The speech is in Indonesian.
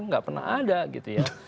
nggak pernah ada gitu ya